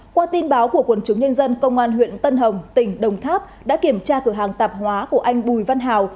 qua tin báo của quần chúng nhân dân công an huyện tân hồng tỉnh đồng tháp đã kiểm tra cửa hàng tạp hóa của anh bùi văn hào